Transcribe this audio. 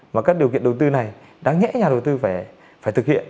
mà các điều kiện đầu tư này đáng nhẽ nhà đầu tư phải thực hiện